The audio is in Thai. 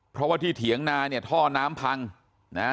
เพราะว่าที่เถียงนาเนี่ยท่อน้ำพังนะฮะ